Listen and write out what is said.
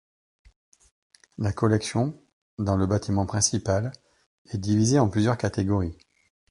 La collection, dans le bâtiment principal, est divisée en plusieurs catégories.